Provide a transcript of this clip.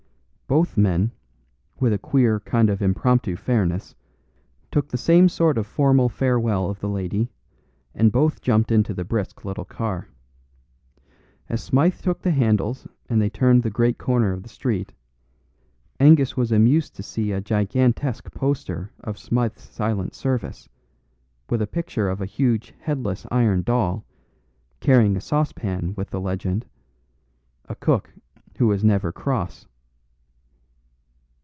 Both men, with a queer kind of impromptu fairness, took the same sort of formal farewell of the lady, and both jumped into the brisk little car. As Smythe took the handles and they turned the great corner of the street, Angus was amused to see a gigantesque poster of "Smythe's Silent Service," with a picture of a huge headless iron doll, carrying a saucepan with the legend, "A Cook Who is Never Cross."